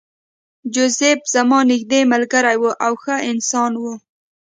جوزف زما نږدې ملګری و او ښه انسان و